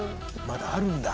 「まだあるんだ」